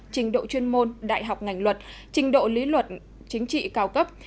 trình độ chuyên môn đại học ngành luật trình độ lý luật chính trị cao cấp